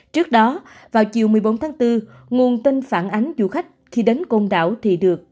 trước đó vào chiều một mươi bốn tháng bốn nguồn tin phản ánh du khách khi đến côn đảo thì được